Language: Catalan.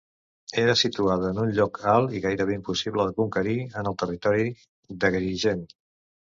Era situada en un lloc alt i gairebé impossible de conquerir en el territori d'Agrigent.